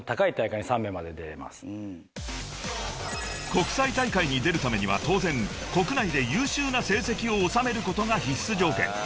［国際大会に出るためには当然国内で優秀な成績を収めることが必須条件］